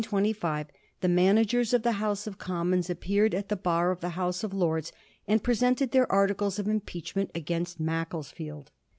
On May 6, 1725, the managers of the House of Commons appeared at the bar of the House of Lords, and presented their articles of impeachment against Macclesfield.